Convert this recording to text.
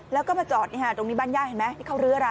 แล้วก็มาจอดตรงนี้บ้านย่าเห็นไหมที่เขารื้ออะไร